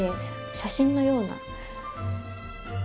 写真のような。